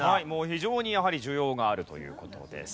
非常にやはり需要があるという事です。